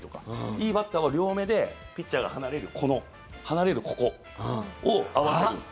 いいバッターは両目でピッチャーが離れる、この離れる、ここを合わせるんです。